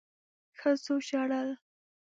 ښځو ژړل